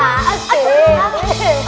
aduh aduh aduh